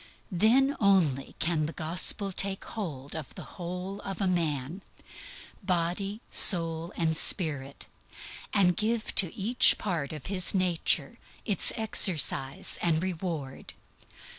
Then only can the Gospel take hold of the whole of a man, body, soul and spirit, and give to each part of his nature its exercise and reward.